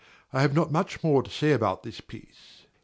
I have not much more to say about this piece.